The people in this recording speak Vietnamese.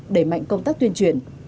để mạnh công tác tuyên truyền